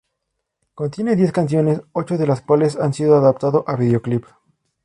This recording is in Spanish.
Contiene diez canciones, ocho de las cuales han sido adaptado a videoclip.